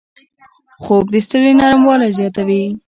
خوب د سړي نرموالی زیاتوي